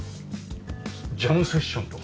ジャムセッションとか。